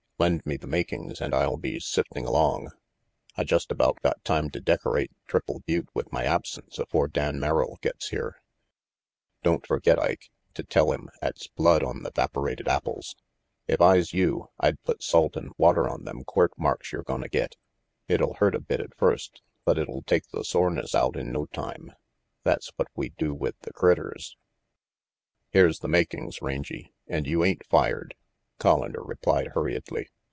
"Lend me the makings, and I'll be sifting along. I just about got time to decorate Triple Butte with my absence afore Dan Merrill gets here. Don't forget, Ike, to tell him 'at's blood on the 'vaporated apples. If I's you, I'd put salt and water on them quirt marks you're gonna get. It'll hurt a bit at first, but it'll take the soreness out in no time. That's what we do with the critters." "Here's the makings, Rangy, and you ain't fired," Collander replied hurriedly.